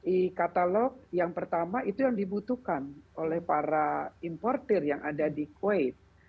e katalog yang pertama itu yang dibutuhkan oleh para importer yang ada di kuwait